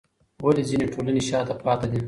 ولې ځینې ټولنې شاته پاتې دي؟